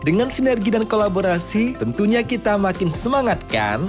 dengan sinergi dan kolaborasi tentunya kita makin semangat kan